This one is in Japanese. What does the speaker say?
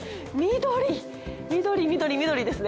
緑緑緑ですね。